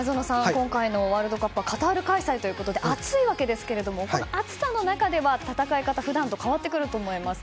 今回のワールドカップはカタール開催ということで暑いわけですが暑さの中では戦い方は普段と変わってくると思います。